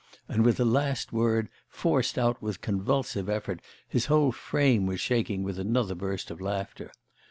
And with the last word, forced out with convulsive effort, his whole frame was shaking with another burst of laughter.